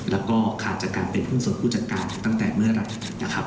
แล้วก็ขาดจากการเป็นหุ้นส่วนผู้จัดการตั้งแต่เมื่อไหร่นะครับ